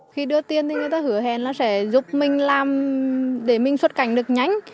khi đưa tiền thì người ta hứa hẹn là sẽ giúp mình làm để mình xuất cảnh được nhanh